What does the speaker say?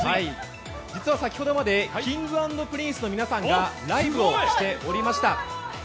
実は先ほどまでｋｉｎｇ＆Ｐｒｉｎｃｅの皆さんがライブをしておりました。